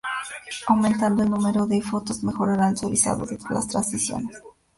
Aumentando el número de fotos mejorará el suavizado de las transiciones.